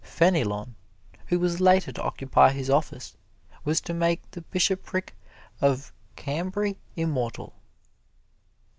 Fenelon, who was later to occupy his office, was to make the bishopric of Cambray immortal.